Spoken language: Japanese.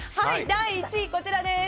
第１位、こちらです！